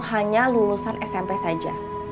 hanya lulusan smp saja